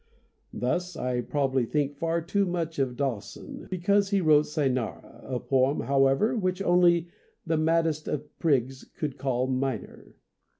Thus I probably think far too much of Dowson because he wrote "Cynara" ; a poem, however, which only the maddest of prigs could call minor.